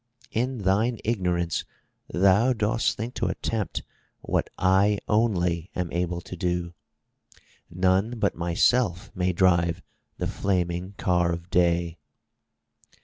In thine ignorance thou dost think to attempt what I only am able to do. None but myself may drive the flaming car of day."